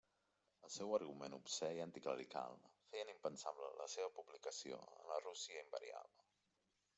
El seu argument obscè i anticlerical feien impensable la seva publicació en la Rússia Imperial.